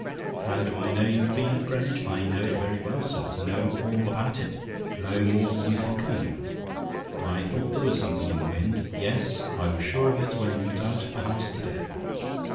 "HOW DO I KNOW YOU'VE BEEN AT GREENWICH? "I know it very well, sir: know all about it: know more than you think I know. I thought there was something in the wind. Yes, I was sure of it, when you went out of the house to day.